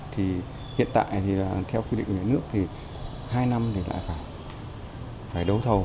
thì hiện tại theo quy định của người nước thì hai năm lại phải đấu thầu